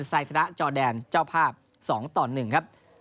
ใส่คณะจอดแดนเจ้าภาพ๒๑ครับ